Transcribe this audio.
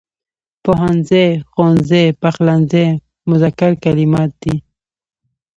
پوهنځی، ښوونځی، پخلنځی مذکر کلمات دي.